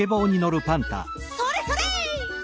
それそれ！